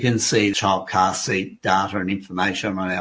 dan jadi anda bisa melihat data dan informasi penyelamatan anak anak